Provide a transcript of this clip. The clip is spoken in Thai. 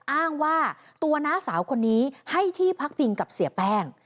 อ้างว่าตัวน้าสาวคนนี้ให้ที่พักพิงกับเสียแป้ง